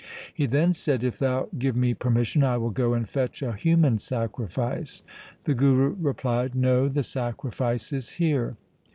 He then said, ' If thou give me permission, I will go and fetch a human sacri fice. The Guru replied, ' No ; the sacrifice is here.'